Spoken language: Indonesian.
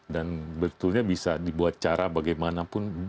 dan betulnya bisa dibuat cara bagaimanapun